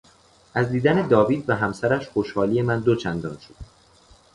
از دیدن داوید و همسرش خوشحالی من دو چندان شد.